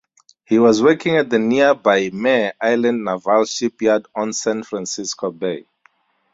He was working at the nearby Mare Island Naval Shipyard on San Francisco Bay.